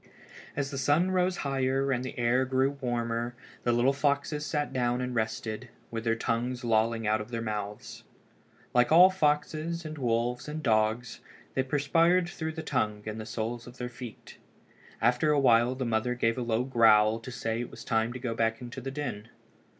As the sun rose higher and the air grew warmer the little fellows sat down and rested, with their tongues lolling out of their mouths. Like all foxes and wolves and dogs they perspired through the tongue and the soles of their feet. After a while the mother gave a low growl to say that it was time to go back into the den.